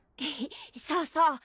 そうそう。